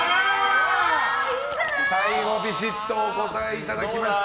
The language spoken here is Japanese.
最後、びしっとお答えいただきました。